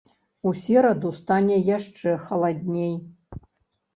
У сераду стане яшчэ халадней.